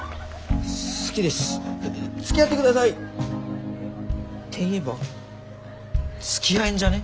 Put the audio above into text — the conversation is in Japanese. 「好きですつきあって下さい！」って言えばつきあえんじゃね？